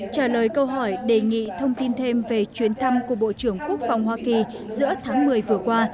trả lời câu hỏi đề nghị thông tin thêm về chuyến thăm của bộ trưởng quốc phòng hoa kỳ giữa tháng một mươi vừa qua